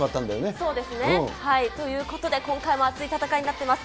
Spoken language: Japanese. そうですね。ということで、今回も熱い戦いになっています。